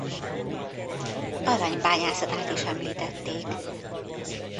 Arany-bányászatát is említették.